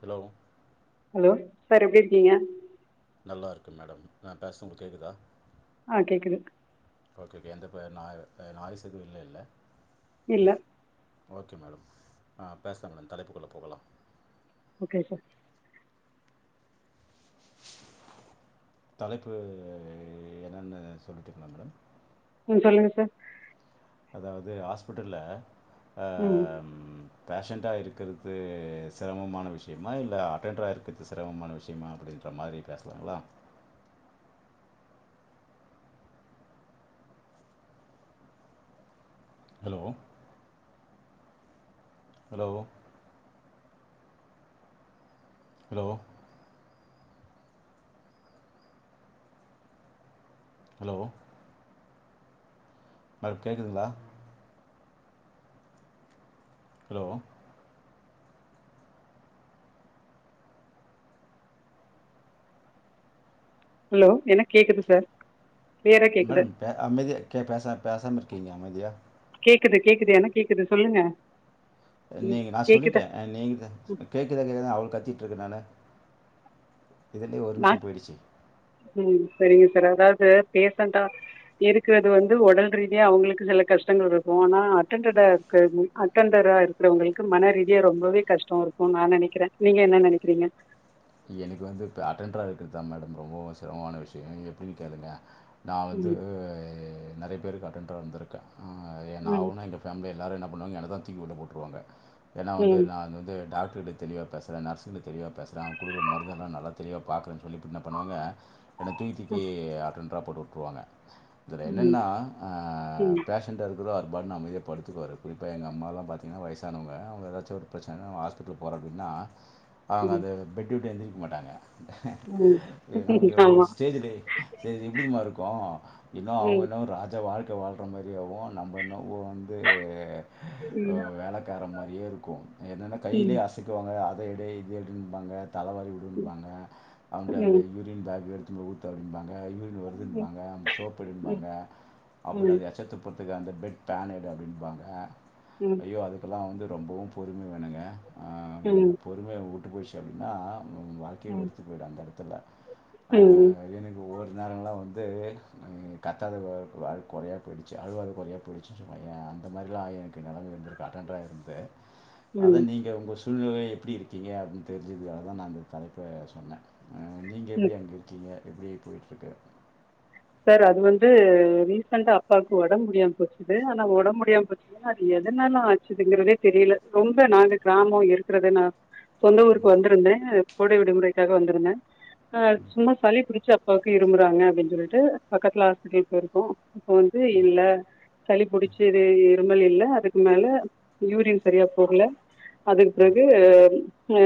Hello hello sir எப்டி இருக்கீங்க நல்லா இருக்க மேடம் நா பேச உங்களுக் கேட்குதா ஆ கேக்குது ஓகே ஓகே எந்த இப்ப ந நாய்ஸ் எது இல்லேல்ல இல்ல ஓகே மேடம் நா பேச இருந்த தலைப்புக்குள்ள போகலாம் ஓகே சார் தலைப்பு என்னன்னு சொல்டீங்ளா மேடம் ம் சொல்லுங்க சார் அதாவது ஹாஸ்பிட்டல்ல ஆ ம் பேஷண்ட்டா இருக்கிறது சிரமமான விஷயமா இல்ல அட்டன்டரா இருக்கிறது சிரமமான விஷயமா அப்படின் அந்த மாரி பேசலாங்ளா hello hello hello hello madam கேக்குதுங்ளா ஹலோ ஹலோ எனக்கு கேக்குது சார் கிளியரா கேக்குது மேடம் பே அமைதியாே கே பேசா பேசாம இருக்கீங்க அமைதியா கேக்குது கேக்குது எனக்கு கேக்குது சொல்லுங்க ம் நீங்க நா சொல்லிட்டே கேக்குதா ஆ நீங்க கேக்குதா கேக்குதான்னு அவள கத்திட்டு இருக்குறே நானு இதுலயே ஒரு நா நிமிஷோ போயிடுச்சு ம் சரிங்க சார் அதாவது பேசண்டா இருக்குறது வந்து ஒடல் ரீதியா அவங்களுக்கு சில கஷ்டங்கள் இருக்கு ஆனா அட்டன்டர கது அட்டெண்டரா இருக்குறவங்களுக்கு மன ரீதியா ரொம்பவே கஷ்டோ இருக்குன்னு நா நெனைக்கிறே நீங்க என்ன நெனைக்கிறீங்க எனக்கு வந்து இப்ப அட்டென்டரா இருக்கிறதுதா மேடம் ரொம்ப சிரமான விஷயோ இது எப்டின்னு கேளுங்க நா வந்து ம் நெறைய பேருக்கு அட்டென்டரா இருந்துருக்கே நா ம் ஒன்னு அங்க ஃபேமிலில எல்லாரு என்ன பண்ணுவாங்க என்னதா தூக்கி உள்ள போட்டுருவாங்க ஏன்னா வந்து ம் நா அங்க வந்து டாக்டர் கிட்ட தெளிவா பேசுறே நர்சுங்க கிட்ட தெளிவா பேசுறே அவங்க குடுக்குற மருந்தெல்லா நல்லா தெளிவா பாக்குறே சொல்லி இப்ப என்ன பண்ணுவங்க என்ன தூக்கி தூக்கி அட்டெண்டரா போட்டு விட்டுருவாங்க இதுல ம் என்னன்னா ஆ ம் பேஷ ண்டா இருக்கறவரு அவரு பாட்டுன்னு அமைதியா படுத்துருவாரு குறிப்பா எங்க அம்மால்லா பாத்தீங்கன்னா வயசானவங்க அவங்க ஏதாச்சு ஒரு பிரச்சனன்னு அவங்க ஹாஸ்பிடல் போறோ அப்டின்னா அவங்க ம் அந்த பெட்டு விட்டு எந்திரிக்க மாட்டாங்க ம் நமக்கு ம் ஒரு ஆமா ஸ்டேஜிலே இது எப்டி தெரியுமா இருக்கு ஏதோ அவங்க ம் என்னவோ ராஜ வாழ்க்கை வாழ்ற மாரியேவு நம்ம என்னவோ வந்து ம் வேலக்காரே மாரியே இருக்கு என்னன்னா ம் கையலயே அசைக்குவாங்க அத எடு இது எடுன்னு பாங்க தலவாரி ம் விடுப்பாங்க அங்குட்டு அந்த ம் யூரின் பேக் எடுத்துன்னு போய் ஊத்து அப்டிம்பாங்க யூரின் ம் வருதுன்பாங்க அந்த சோப்ப ம் ம் எடுன்னுபாங்க ம் அப்பட அந்த எச்ச துப்பு றதுக்கு அந்த பெட் பேன எடு அப்டின்பாங்க ம் ஐயோ அதுக்கெல்லா வந்து ரொம்பவு பொறும வேணுங்க ஆ ம் பொறுமைய விட்டு போயிடுச்சு அப்டின்னா வாழ்க்கையே ம் வெறுத்து போய்டுஅந்த இடத்துல ஆ ம் எனக்கு ஒரு நேரல்லா வந்து வந்து கத்தாத அது கொறையா போயிடுச்சு அழுவாத கொறையா போயிடுச்சு சொல்லுவா ஏ அந்த மாரிலா நெலம வந்துருக்கு அட்டெண்டரா இருந்து ! அதுநீங்க உங்க சூழ்நிலை எப்டி இருக்கீங்க அப்டின்னு தெரிஞ்சிக்கிதுகாகதா நா இந்த தலைப்பே சொன்னே ஆ நீங்க ம் எப்டி அங்க இருக்கீங்க எப்டி போய்ட்டுருக்கு சார் அது வந்து ரீசண்டா அப்பாக்கு ஒடம்பு முடியாம போச்சுது ஆனா ஒடம்ப முடியாம போச்சு அது எதனால ஆச்சுதுங்கறதே தெரியல ரொம்ப நாங்க கிராமோ இருக்குறதுன்னா சொந்த ஊருக்கு வந்துருந்தே கோடை விடுமுறைக்காக வந்துருந்தே ஆ சும்மா சளி பிடிச்ச அப்பாவுக்கு இருமுறாங்க அப்டின்னு சொல்லிட் டு பக்கத்துல ஹாஸ்பிடல் போயிருக்கோ இப்ப வந்து இல்ல சளி புடிச்சு இது இருமல் இல்ல அதுக்கு மேல யூரின் சரியா போகல அதுக்கு பிறகு ஆ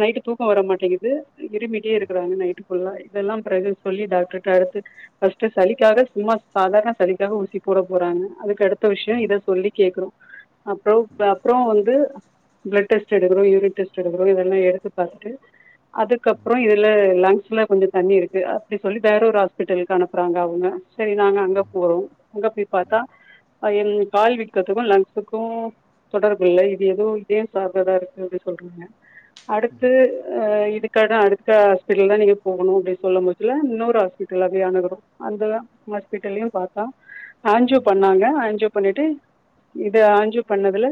நைட்டு தூக்கோ வரமாட்டேங்குது இருமிட்டே இருக்குறாங்க நைட்டு ஃபுல்லா இதெல்லா பிறகு சொல்லி டாக்டர்ட்ட அடுத்து ஃபர்ஸ்ட் சளிக்காக சும்மா சாதாரண சளிக்காக ஊசி போட போறாங்க அதுக்கு அடுத்த விஷயோ இத சொல்லி கேக்குறோ அப்பறோ அப்பறோ வந்து பிளட் டெஸ்ட் எடுக்குறோ யூரின் டெஸ்ட் எடுக்கிறோ இதெல்லா எத்து பாத்துட்டு அதுக்கப்பற இதுல லங்ஸ்ல கொஞ்ச தண்ணி இருக்கு அப்டி சொல்லி வேற ஒரு ஹாஸ் பிட்டலுக்கு அனுப்புறாங்க அவங்க சரி நாங்க அங்க போறோ அங்க போய் பாத்தா ஆ என் கால் வீக்கதுக்கு லன்ஸ்க்கு தொடர்பு இல்லை இது எதோ இதய சார்ந்ததா இருக்கு அப்டி சொல்றாங்க அடுத்து ஆ இதுக்காக அடுத்த ஹாஸ்பிட்டல் தா நீ போகணு அப்டின்னு சொல்ல மொச்சல இன்னோறு ஹாஸ்பிட் டல் அணுகிறோ அந்த ஹாஸ்பிட்டல்லயு பாத்தா ஆஞ்ஜியோ பண்ணாங்க ஆஞ்ஜியோ பண்ணிட்டு இது ஆஞ்ஜியோ பண்ணதுல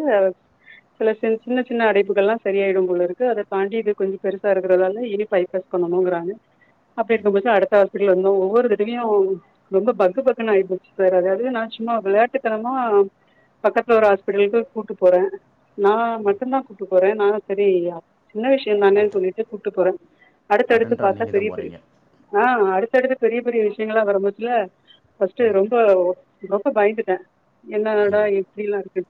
சில சின் சின்ன சின்ன அடைப்புகள்லா சரியாயிடும் போல இருக்கு அத தாண்டி இது கொஞ்ச பெருசா இருக்கறதால இனி பைப்ப பண்ணணுங்கிறாங்க அப்டிருக்கு மோச அடுத்த ஹாஸ்பிடல்ல இருந்து ஒவ்வொரு தடையு ரொம்ப பக்குபக்குன்ன ஆயிபோச்சு சார் அதாவது நா சும்மா விளாட்டுத்தனமா பக்கத்துல ஒரு ஹாஸ்பிட்டலுக்கு கூட்டு போறே நா மட்டுந்தா கூப்ட்டு போறே நா சரி இல்லயா சின்ன விஷ் யந்தானேன்னு அட்டன் சொல்லிட்டு கூட்டு போறே அடுத்தடுத்து அட்டண்டராக பாத்தா நீங்கள் பெரிய தான் பெரிய போகிறீங்க ஆ அடுத் து பெரிய பெரிய விஷயங்களா வரும்மோசல பர்ஸ்ட்டு ரொம்ப ரொம்ப பயந்துட்டே என்னாடா ம் எப்டிலா இருக்கு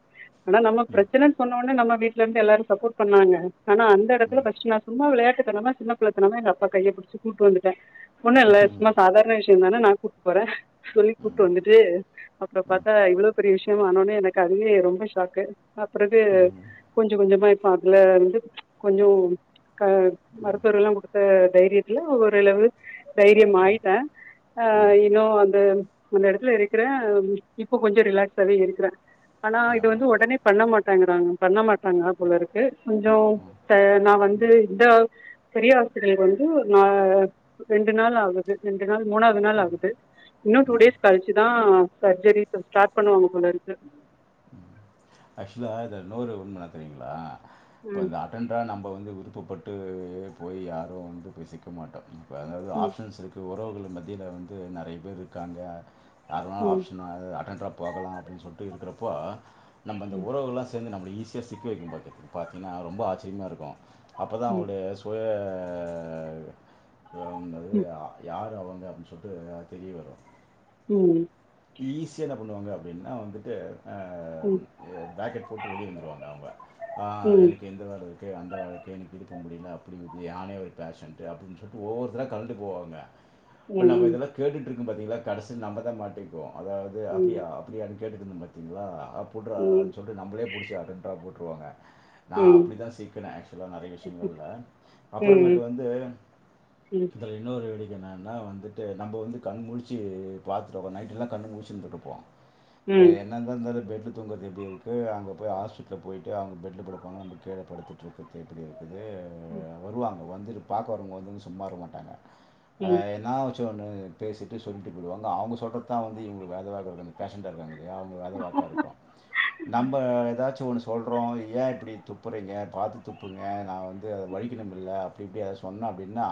ஆனா நம்ம ம் பிரச்சனன்னு சொன்ன ஒடனே நம்ம வீட்ல இருந்து எல்லாரு சப்போட் பண்ணாங்க ஆனா அந்த எடத்துல கஷ்டமாருக் சும்மா விளையாட்டுத்த தனமா சின்ன பிள்ளத்தனம்மா எங்க அப்பா கையபுடிச்சி கூட்டு வந்துட்ட ஒண்ணு இல்ல ம் சாதாரண விஷயந்தானே நா கூப்ட்டு போறே சொல்லி ம் கூப்ட்டு வந்துட்டு அப்பற ம் பாத்தா இவ்வளோ பெரிய விஷயமா ஆனோனே எனக்கு அதுவே ரொம்ப ஷாக்கு அப்பறகு ம், கொஞ்ச கொஞ்சமா இப்ப அதுல வந்து கொஞ்ஜோ க ம், மருத்துவர்கள்ல்லா குடுத்த தைரியத்துல ஓரளவு தைரிய ஆயிட்ட ஆ ம். இன்னு அந்த அந்த எடத்துல இருக்குறே இப்போ கொஞ்ச ரிலாக்ஸ்கவே இருக்குறே ஆனா இது ஆமா. வந்து ஒடனே பண்ண மாட்டாங்கிறாங்க பண்ண மாட்ராங்க போலருக்கு கொஞ்ச ம், ச நா வந்து இந்த பெரிய ஆஸ்பிட்டல்க்கு வந்து நா ரெண்டு நாள் ஆகுது ரெண்டு நாள் மூணாவது நாள் ஆகுது இன்னு டூ ம். டேஸ் கழிச்சு தா சர்ஜரி ஸ்டார்ட் பண்ணுவாங்க போலருக்கு ஆக்சுவலா இத இன்னோரு உண்ம என்ன தெரியுங்களா இப்போ ம் இந்த ஆ ரா நம்ம வந்து விருப்பப்பட்டு போய் யாரு வந்து போய் சிக்க மாட்டோ அதாவது ம் ஆப்ஷன்ஸ் இருக்கு உறவுகள் மத்தியில வந்து நெறைய பேர் இருக்காங்க யார வேணாலு ம் ஆப்ஷனா அது அட்டென்டரா போகலா அப்படின்னு சொல்லிட்டு இருக்கிறப்போ நம்ம அந்த உறவுகலா நம்மல ஈஸியா சிக்க வைக்கு பாத்துக் பாத்தீங்கன்னா ரொம்ப ஆச்சரியமா இருக்கு அப்பதா ம் அவருடைய போய வந்தது ம் யா யார் அவங்க அப்டின் சொல்ட்டு தெரிய வரு ம் ஈஸியா என்ன பண்ணுவாங்க அப்படின்னா வந்துட்டு ம் ஆம் அ பேக்கெட் போட்டு வெளியே வந்துடுவாங்க அவங்க ஆ ம் எனக்கு அந்த வேல இருக்கு அந்த வேல இருக்கு எனக்கு இடுப்பு முடியல அப்டினுது யானே ஒரு பேஷன்ட்டு அப்பின்னு சொல்லிட்டு ஒவ்வொருதரா தல்ட்டு போவாங்க இப்ப நம்ம ம் இதெல்லா கேட்டுட்ருக்கோ பாத்தீங்லா கடைசி நம்மதா மாட்டிக்குவோ அதாவது ம் அப்டியா அப்படியானு கேட்டுட்ருந்தே பாத்தீங்களா ம் ம் அப்புட்றான் சொல்ட்டு நம்பளே புடிச்சி அடென்ட்ரா போட்ருவாங்க நா ம் அப்படி தா சீக்குனே ஆக்சுவல நெறைய விஷயங்கள்ல அப்பறமேட்டு ம் வந்து ம் இதல இன்னொரு வேடிக்க என்னானா வந்துட்டு நம்ம வந்து கண்முழிச்சு பாத்துட்டோ நைட்டுலா கண்ணு மூழ்ச்சிருந்துட்டுப்போ ஏ ம் ம் என் தா இந்தாலு பெட் தூங்கறது எப்டி இருக்கு அங்க போய் ஹாஸ்பிட்டல போய்ட்டு அவங்க பெட்ல படுப்பாங்க நம்ம கீழ படுத்து கது எப்டி இருக்கு ந்து வருவாங்க வந்து பாக்க வரும்போது சும்மா இருக்க மாட்டாங்க ம் ம் ம் அ ம் ஏனா சோன பேசிட்டு சொல்லிட்டு பேடுவாங்க அவங்க சொல்றத் தா வந்து இங்களுக்கு வேதவாக்கா பேஷண்ட்டா இருக்காங்கல்லயா அவங்க வேத வாக்கா இருக்கு நம்ம ஏதாச்சு ஒன்னு சொ சொல்றோ ஏ இப்படி துப்புறீங்க பாத்து துப்புங்க நா வந்து அத வழிக்கிணுமில்ல திருப்பி அத சொன்னோ அப்டின்னா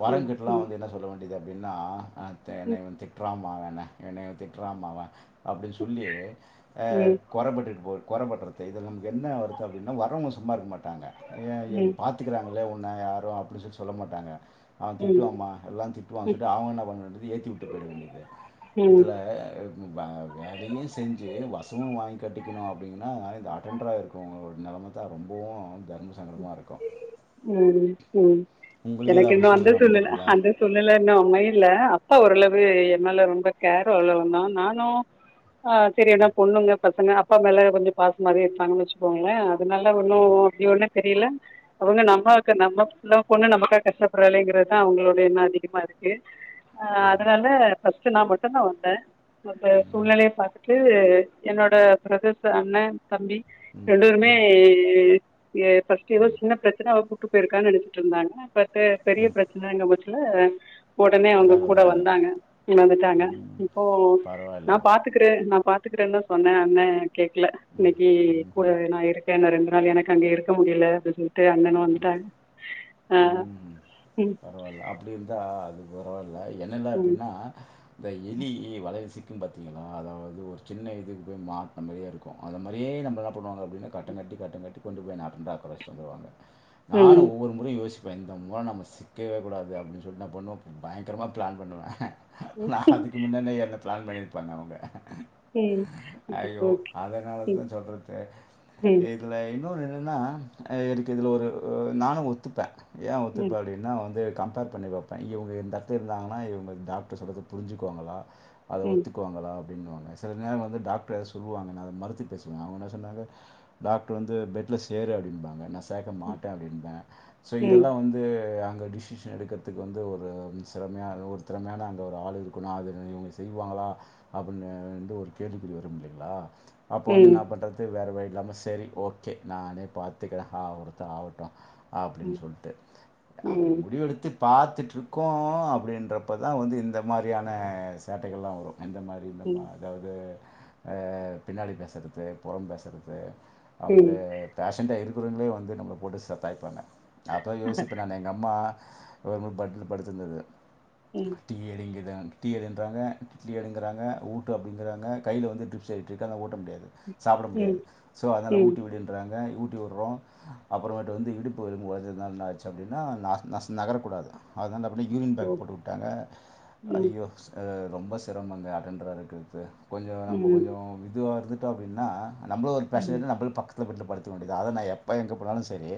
வாடன் கிட்டலா வந்து என்ன சொல்ல வேண்டியதா அப்டின்னா அ த என்ன இவ திட்றாமா இவன என்ன திட்றாமா அவ அப்டின் சொல்லி அ கொறப்பட்டு போ கொறப்பட்றது இதுல நமக்கு என்ன வருத்தோ அப்டின்னா வரவங்க சும்மா இருக்க மாட்டாங்க ஏ ஏ பாத் துக்குறாங்கள உன்ன யாரு அப்டின் சொல்லி சொல்ல மாட்டாங்க அவ ம் திட்டுவாம்மா எல்லா திட்டுவான் சொல்ட்டு அவ என்ன பண்றது ஏத்தி விட்டு போயிட வேண்டியது ம் இதுல இவ் வ வேலையு செஞ்சு வசமு வாங்கி கட்டிக்கணு அப்டின்னா அதா அட்டெண்டடரா இருக் கு நெலம தா ரொம்பவு தர்ம சங்கடமா இருக்கு ம் ம் உங்களுக்கு ஏதாவது எனக்கு அப்படி இன்னும் அந்த சூழ்நிலை சூழ்நில அமைஞ்சிருக்குங்களா? அந்த சூழ்நில இன்னு அமையல அப்பா ஓரளவு எ மேல ரொம்ப கேர் அவ்ளவு நா நானு ஆ சரியதா பொண்ணுங்க பசங்க அப்பா மேல கொஞ்சோ பாசமாவே இருப்பாங்கன் வெச் கோங்கல அதனால ஒண்ணு அப்டி ஒண்ணு தெரில அவங்க நம்மக்கு நம்ம [unintelligible] பொண்ணு நமக்கா கஷ்டப்படுறாளேங்கிறதா அவங்களோட எண்ணோ அதிகமா இருக்கு அ ம், அதனால பஸ் ஸ்ட் நா மட்டு தா வந்த அந்த ம், சூழ்நிலைய பாத்துட்டு என்னோட பிரதர்ஸ் அண்ண தம்பி ம், ரெண்டு வேருமே ம், ய பஃஸ்ட்டு ஏதோ ம், சின்ன பிரச்சன அவ கூட்டு போயிருக்கான் நினச்சுட்டு இருந்தாங்க பாத்து பெரிய ம். பிரச்சன எங்க போச்சுல ஒடனே அவங்க எல்லாரும் கூட வந்துட்டாங்க. வந்தாங்க இறந்துட்டாங்க ம். இப்போ நா பரவாயில்ல. பாத்து க்கிற நா பாத்துக்கிறேன் தா சொன்ன அண்ண கேக்கல ம், இன்னைக்கி கூட ம்ஹ்ம். நா இருக் க இன்னு ரெண்டு நாள் எனக்கு அங்க இருக்க முடில அப்டி சொல்ட்டு அண்ணனு வந்துட்டாங்க அ ம் பரவால்லா அப்டி இருந்தா அது பரவால்லா என்னலா ம் எப்படின்னா இந்த எலி வளைல சிக்கு பாத்தீங்களா அதாவது ஒரு சின்ன இதுக்கு போய் மாட்னா மாரியே இருக்கோ கோ அந்த மாரியே நம்ம என்ன பண்ணுவாங்க அப்டின்னா கட்டங்கட்டி கட்டங்கட்டி கொண்டு போய் என்ன அட்டெண்டர்ரா உக்கார வச்சுட்டு வந்துருவாங்க நானு ம் ஒவ்வொரு முறையு யோசிப்ப இந்த முறை நம்ம ஸ் க்கவே கூடாது அப்டின்னு சொல்ட்டு என்ன பண்ணு பயங்கரமாக ப்ளன் பண்ணுவ நா அதுக்கு முன்னணே என்ன ப்ளன் பண்ணிருப்பாங்க அவங்க ம் ம் அய்யோ ஓகே அதனால தா சொல்றதே ம் ஏ இதுல இன்னொன்னு என்னன்னா எனக்கு இதுல ஒரு நானு ஒத்துப்ப ஏ ம் ஒத்துப்ப அப்டின் என்ன வந்து கம்பேர் பண்ணி வைப்ப இவங்க இந்த எடத்துல இருந்தாங்கன்னா இவங்க டாக்டர் சொல்றது புரிஞ்சுக்குவாங்களா அத ம் ஒத்துக்குவாங்களா அப்டின்னுவாங்க சில நேரோ வந்து டாக்டர் எதா சொல்லுவாங்கன்னா அத மறுத்தி பேசுவாங்க அவங்க என்ன சொன்னாங்க டாக்டர் வந்து பெட்ல சேரு அப்டின்பாங்க நா சேக்க ம் மாட்ட அப்டின்ப சோ ம் இதெல்லா வந்து அங்க டிசிஷன் எடுக்கிறதுக்கு வந்து ஒரு சிறமையான ஒரு திறமையான அங்க ஒரு ஆள் இருக்குணு அது இவ்ங்க செய்வாங்களா அப்டின்னு அ வந்து ஒரு கேள்விக்குறி வரு இல்லைங்களா அப்ப ம் வந்து நா ம் பண்றது டு வேற வழி இல்லாம செரி ஓகே நானே பாத்துக்கிற ஆவர்த்து ஆவட்டு அப்டின் சொல்ட்டு ம் அப்டி ம் முடிவெடுத்து பாத்துட்ருக்கோ அப்டின்றப்ப தா வந்து இந்த மாரியான சேட்டைகள்லா வரு எந்த மாரி அப்டின்ற மா அதாவ்து அ பின்னாடி பேசறது புறம் பேசறது அந்த பேஷண்டா இருக்கிறவங்களே வந்து நம்மள போட்டு செதைப்பாங்க நா அதா யோசி னே எங்க அம்மா கவர்மெண்ட் பெட்ல படுத்திருந்தது ம் டீ எடிங்கிது டீ எடுன்றாங்க இட்லி எடுங்கறாங்க ஊட்டு அப்டிங்கிறாங்க கைல வந்து ட்ரிப்ஸ் ஏறிடிருக்கு ஆனா ஊட்ட முடியாது சாப்ட ம் ம் முடியாது சோ அதனால ம் ஊட்டி விடு றாங்க ஊட்டி விட்றோ அப்புறமேட்டு வந்து இடுப்பு எலும்பு ஒடஞ்சதுனால என்னாச்சு சு அப்டின்னா நாஸ் நஸ் நகரக்கூடாது அதனா அந்த பண்ணே யூரின் ஓ பேக் போட்டுவுட்டாங்க ம் அய்யோ அ ரொம்ப சிரமங்க அட்டெண்டரா இருக்கிறது கொஞ்சோ நம்ம ம் கொஞ்சோ இதுவா இருந்துட்டோ அப்டின்னா நம்ளு ஒரு ம் பேஷ்ண்டுனு நம்ளுக்கு பக்கத்தில பெட்ல படுத்தக்க வேண்டியதுதா அத நா எப்ப எங்கே போனாலு செரி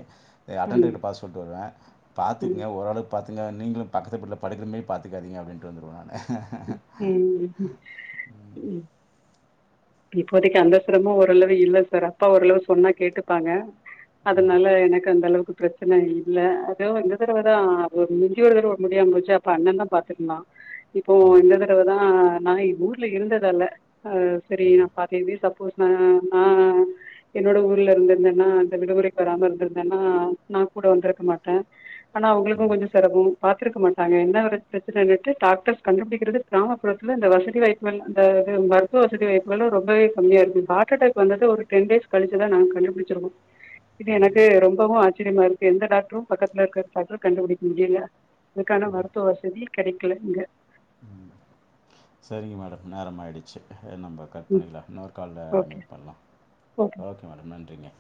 அட்டென்டர் ம் கிட்ட பாஸ் சொல்ட்டு வருவே ம் பாத்துக்கங்க ஓரளவுக் பாத்துங்க நீங்களு பக்கத்து பெட்ல படிக்கிற மாரி பாத்துக்காதீங்க அப்டின்ட்டு வந்துடுவே நானு ம் ம் இப்போதைக்கு அந்த சிரமு ஓரளவு இல்ல சார் அப்பா ஓரளவு சொன்னா கேட்டுப்பாங்க ம், அதனால எனக்கு அந்தளவுக்கு பிரச்சன இல்ல அதோ இந்த தடவதா ஒரு மிஞ்சி ஒரு தட முடியாம போச்சு அப்ப அண்ணந்தா பாத்துக்கினா இப்போ ம், இந்த தடவ தா நா ஊர்ல இருந்ததால ஆ செரி நா பாத் சேதி சப்போஸ் நா நா என்னோட ஊர்ல இருந்திருந்தேன்னா இந்த விடுமுறைக்கு வராம இருந்திருந்தேன்னா நா கூட வந்திருக்க மாட்டே ஆனா அவ்ங்களுக்கு கொஞ்சோ சிரமோ பாத் துருக்க மாட்டாங்க என்ன ஒரு பிரச்சனங்காட்டு டாக்டர்ஸ் கண்டுபுடிக்கிறதே கிராமப்புறத்தில இந்த வசதி வாய்ப் புல்ல அந்த இது மருத்துவ வசதி வாய்ப்புகல்லா ரொம்பவே கம்மியா இருக்கு ஹார்ட் அட்டாக் வந்தது ஒரு டென் டேஸ் கழிச்சிதா நாங்க கண்டுபிடிச்சிருகோ இது ம், எனக்கு ரொம்பவு ஆச்சரியமா இருக்கு எந்த டாக்டரு பக்கத்துல இருக்க டாக்டர் கண்டுபுடிக்க முடியல அதுக்கான மருத்துவ வசதி கெடைக்கல இங்க ம் செரிங்க மேடம் நேரம் ஆயிடுச்சு நம்ப கட் ம் பண்ணிடலா இன்னொரு கால்ல ஓகே மீட் பண்ணலா ஓகே மேடம் நன்றிங்க